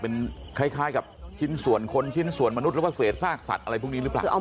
เป็นคล้ายกับขิงส่วนคนขิงส่วนมนุษย์ล่วงว่าเศษทรรปนักหรือป่าว